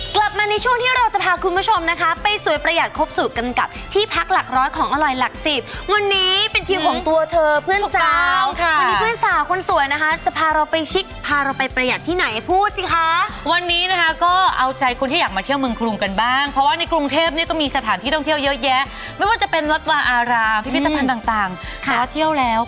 กลับมาในช่วงที่เราจะพาคุณผู้ชมนะคะไปสวยประหยัดครบสูตรกันกับที่พักหลักร้อยของอร่อยหลักสิบวันนี้เป็นคิวของตัวเธอเพื่อนสาวค่ะวันนี้เพื่อนสาวคนสวยนะคะจะพาเราไปชิกพาเราไปประหยัดที่ไหนพูดสิคะวันนี้นะคะก็เอาใจคนที่อยากมาเที่ยวเมืองกรุงกันบ้างเพราะว่าในกรุงเทพเนี่ยก็มีสถานที่ท่องเที่ยวเยอะแยะไม่ว่าจะเป็นวัดวาอาราพิพิธภัณฑ์ต่างต่างขอเที่ยวแล้ว